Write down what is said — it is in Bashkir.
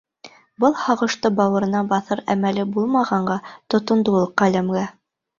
Был һағышты бауырына баҫыр әмәле булмағанға тотондо ул ҡәләмгә.